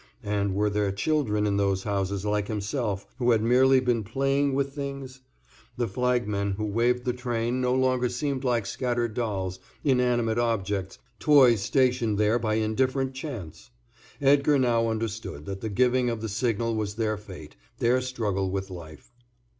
And were there children in those houses like himself who had merely been playing with things? The flagmen who waved the train no longer seemed like scattered dolls, inanimate objects, toys stationed there by indifferent chance. Edgar now understood that the giving of the signal was their fate, their struggle with life.